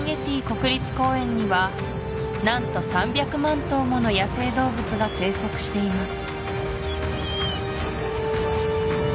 国立公園には何と３００万頭もの野生動物が生息しています